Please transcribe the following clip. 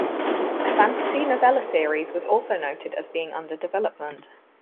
A fantasy novella series was also noted as being under development.